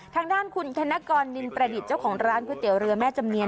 ทางด้านคุณธนกรนินประดิษฐ์เจ้าของร้านก๋วยเตี๋ยเรือแม่จำเนียน